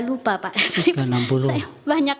lupa pak sipan enam puluh banyak banyak